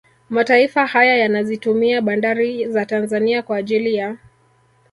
Mataifa haya yanazitumia bandari za Tanzania kwa ajili ya